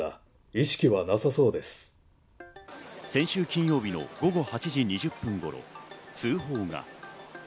先週金曜日の午後８時２０分頃、通報が。